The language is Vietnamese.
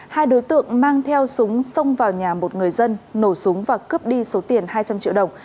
hai đối tượng mang theo súng xông vào nhà một người dân nổ súng và cướp đi số tiền hai trăm linh triệu đồng